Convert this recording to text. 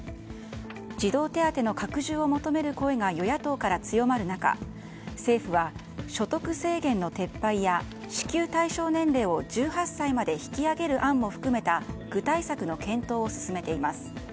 児童手当の拡充を求める声が与野党から強まる中政府は所得制限の撤廃や支給対象年齢を１８歳まで引き上げる案も含めた具体策の検討を進めています。